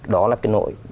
đó là cái nỗi